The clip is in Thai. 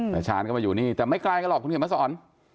ชาญก็มาอยู่นี่แต่ไม่ไกลกันหรอกคุณเขียนมาสอน